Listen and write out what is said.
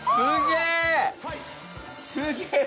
すげえ！